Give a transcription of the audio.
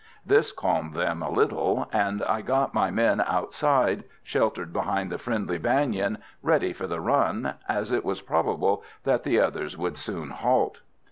This calmed them a little, and I got my men outside, sheltered behind the friendly banyan, ready for the run, as it was probable that the others would soon halt.